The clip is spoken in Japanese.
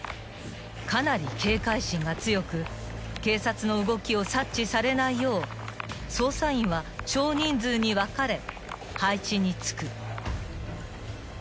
［かなり警戒心が強く警察の動きを察知されないよう捜査員は少人数に分かれ配置に就く］